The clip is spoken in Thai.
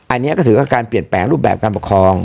อันนี้ก็ถือว่าการเปลี่ยนแปลงรูปแบบการปกครอง